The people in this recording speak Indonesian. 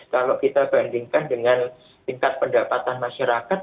kalau kita bandingkan dengan tingkat pendapatan masyarakat